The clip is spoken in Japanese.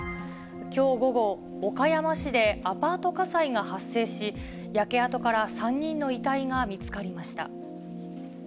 きょう午後、岡山市でアパート火災が発生し、焼け跡から３人の遺体が見つかりました。